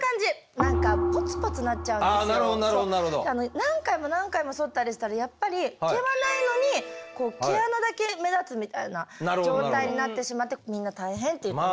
何回も何回もそったりしたらやっぱり毛はないのに毛穴だけ目立つみたいな状態になってしまってみんな大変って言ってましたね。